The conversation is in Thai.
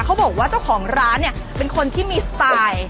เขาบอกว่าเจ้าของร้านเนี่ยเป็นคนที่มีสไตล์